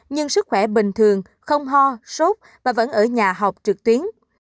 nhưng sức khỏe bình thường không ho sốt và vẫn ở nhà họp trực tuyến